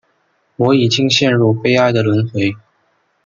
我已经陷入悲哀的轮回